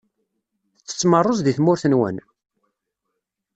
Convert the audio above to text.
Tettettem rruẓ deg tmurt-nwen?